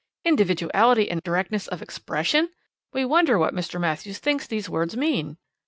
Individuality and directness of expression! We wonder what Mr. Matthews thinks these words mean.